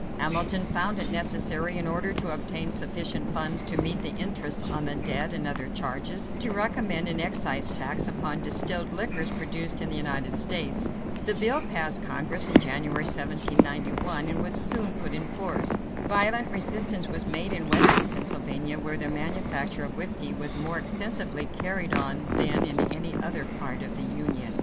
Hamilton found it necessary, in order to obtain sufficient funds to meet the interest on the debt and other charges, to recommend an excise tax upon distilled liquors produced in the United States. The bill passed Congress in January, 1791, and was soon put in force. Violent resistance was made in western Pennsylvania, where the manufacture of whiskey was more extensively carried on than in any other part of the Union.